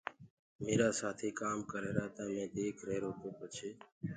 ميرآ سآٿيٚ ڪآم ڪريهرآ تآ مي ديک ريهرو تو پڇي